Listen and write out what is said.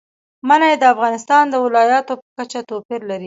منی د افغانستان د ولایاتو په کچه توپیر لري.